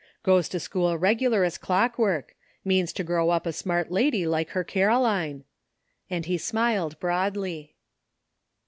''Goes to school regular as clock work. Means to grow up a smart lady like her Caroline," and he smiled broadly.